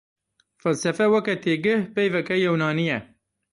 Felsefe weke têgih peyveke yewnanî ye.